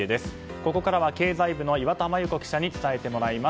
ここからは経済部の岩田真由子記者に伝えてもらいます。